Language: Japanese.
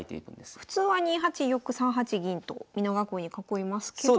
普通は２八玉３八銀と美濃囲いに囲いますけど。